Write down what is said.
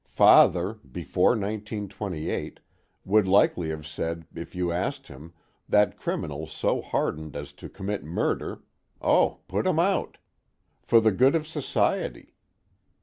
Father (before 1928) would likely have said if you asked him that criminals so hardened as to commit murder oh, put 'em out. For the good of society.